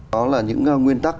đó là những nguyên tắc